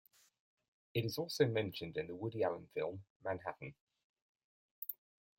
It is also mentioned in the Woody Allen film "Manhattan".